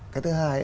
cái thứ hai